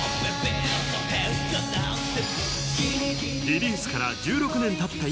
リリースから１６年たった